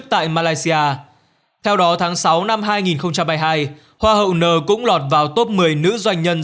theo đó tháng sáu năm hai nghìn hai mươi hai hoa hậu n cũng lọt vào top một mươi nữ doanh nhân